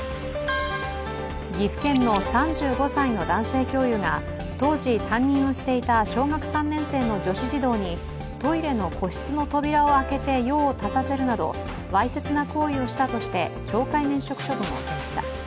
岐阜県の３５歳の男性教諭が当時担任をしていた小学３年生の女子児童にトイレの個室の扉を開けて用を足させるなどわいせつな行為をしたとして懲戒免職処分を受けました。